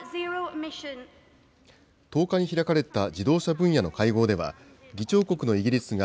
１０日に開かれた自動車分野の会合では、議長国のイギリスが